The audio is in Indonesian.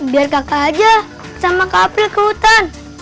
biar kakak aja sama kak april ke hutan